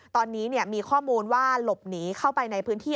ตอนนี้มีข้อมูลว่าหลบหนีเข้าไปในพื้นที่